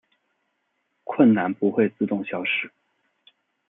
困难不会自动消失